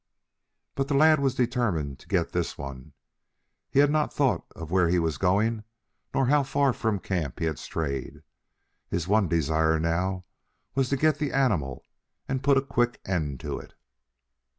But the lad was determined to get this one. He had not thought of where he was going nor how far from camp he had strayed. His one desire now was to get the animal and put a quick end to it.